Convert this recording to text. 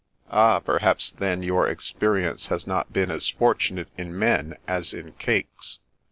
" Ah, perhaps then, your experience has not been as fortunate in men as in cakes."